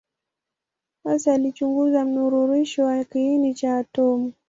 Hasa alichunguza mnururisho wa kiini cha atomu.